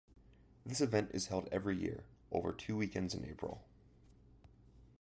This event is held every year, over two weekends in April.